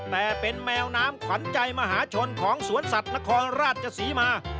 แต่เป็นแมวน้ำขวัญใจมหาชนของสวนสัตว์นครราชศรีมา